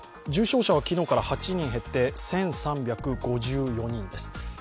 重症者は昨日から８人減って１３５４人です。